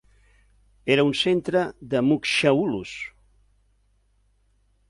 Era un centre de Mukhsha Ulus.